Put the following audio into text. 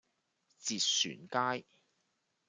捷船街